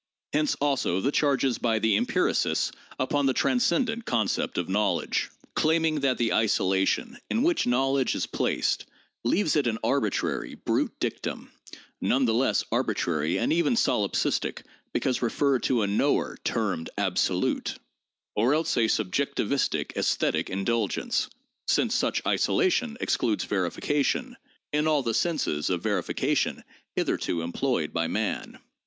Hence also the charges by the empiricists upon the 'transcendent' concept of knowledge, claiming that the isolation in which knowledge is placed leaves it an arbitrary, brute dictum (none the less arbitrary and even solipsistic because referred to a knower termed Absolute), or else a subjectivistic esthetic indulgence, since such isolation ex cludes verification in all the senses of verification hitherto employed by man.